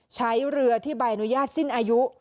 ใช้เรือที่ใบอนุญาตสิ้นอายุ